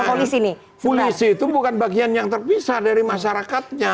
polisi itu bukan bagian yang terpisah dari masyarakatnya